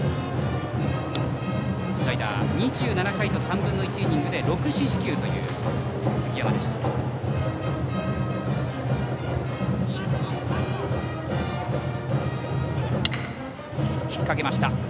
２７回と３分の１イニングで６四死球という杉山でした。